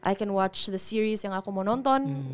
i can watch the series yang aku mau nonton